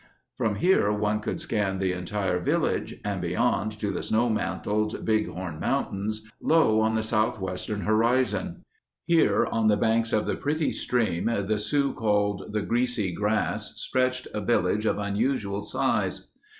From here one could scan the entire vil lage and beyond to the snow mantled Big Horn Mountains low on the southwestern horizon. Here on the banks of the pretty stream the Sioux called the Greasy Grass stretched a village of unusual size.